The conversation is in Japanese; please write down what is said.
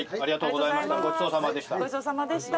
ごちそうさまでした。